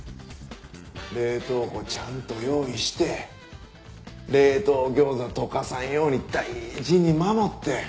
冷凍庫ちゃんと用意して冷凍餃子解かさんように大事に守って。